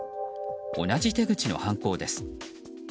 同じ手口の犯行です。